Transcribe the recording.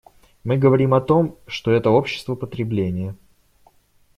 Мы говорим о том, что это общество потребления.